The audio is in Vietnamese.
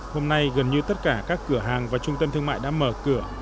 hôm nay gần như tất cả các cửa hàng và trung tâm thương mại đã mở cửa